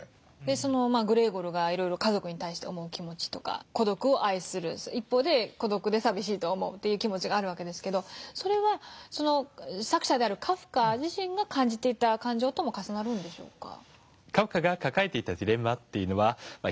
そのグレーゴルが家族に対して思う気持ちとか孤独を愛する一方で孤独で寂しいと思う気持ちがあるわけですがそれは作者であるカフカ自身が感じていた感情とも重なるんでしょうか？